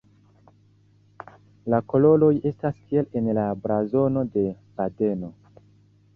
La koloroj estas kiel en la blazono de Badeno.